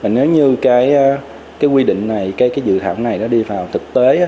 nếu như cái quy định này cái dự thảo này nó đi vào thực tế